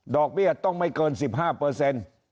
ดอกเบี้ยต้องไม่เกิน๑๕